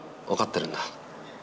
分かってるんだ。